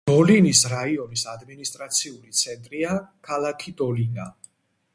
დოლინის რაიონის ადმინისტრაციული ცენტრია ქალაქი დოლინა.